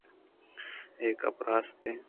(اے گپّ راست ئے